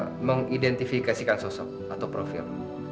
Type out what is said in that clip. saya mau mengidentifikasikan sosok atau profil